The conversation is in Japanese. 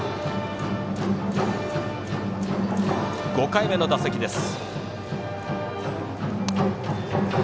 ５回目の打席です。